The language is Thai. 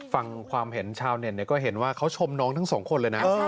ฟังความเห็นชาวเน็ตก็เห็นว่าเขาชมน้องทั้งสองคนเลยนะ